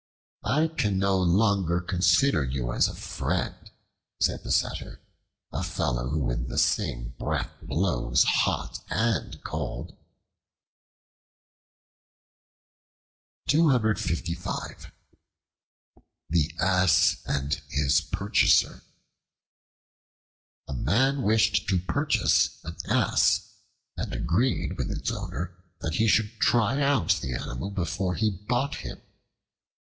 "I can no longer consider you as a friend," said the Satyr, "a fellow who with the same breath blows hot and cold." The Ass and His Purchaser A MAN wished to purchase an Ass, and agreed with its owner that he should try out the animal before he bought him.